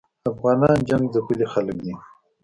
افغانان جنګ ځپلي خلګ دي